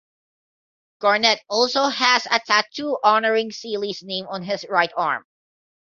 Garnett also has a tattoo honoring Sealy's name on his right arm.